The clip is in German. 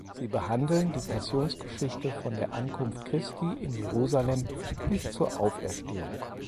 Sie behandeln die Passionsgeschichte von der Ankunft Christi in Jerusalem bis zur Auferstehung.